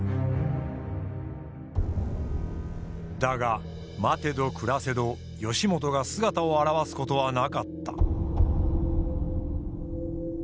だが待てど暮らせど義元が姿を現すことはなかった。